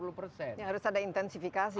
harus ada intensifikasi